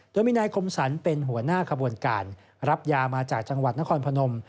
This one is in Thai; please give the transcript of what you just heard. โดยมีนายคมสรรเป็นหัวหน้าขบวนการรับยามาจากจังหวัดนครพนม